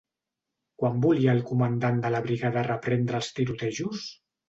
Quan volia el comandant de la brigada reprendre els tirotejos?